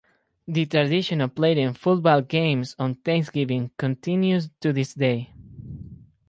The tradition of playing football games on Thanksgiving continues to this day.